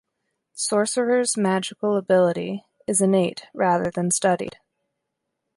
Sorcerers' magical ability is innate rather than studied.